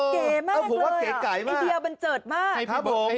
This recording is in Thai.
เก๋มากเลยไอ้เดียวบันเจิดมาก